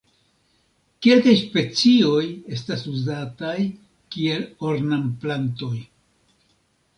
Kelkaj specioj estas uzataj kiel ornamplantoj.